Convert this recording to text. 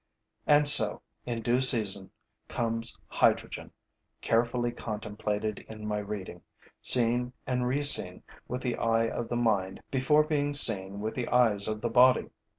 And so, in due season, comes hydrogen, carefully contemplated in my reading, seen and reseen with the eye of the mind before being seen with the eyes of the body.